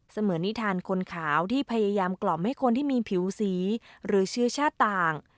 เหมือนนิทานคนขาวที่พยายามกล่อมให้คนที่มีผิวสีหรือเชื้อชาติต่าง